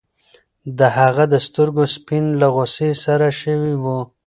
د هغه د سترګو سپین له غوسې سره شوي وو.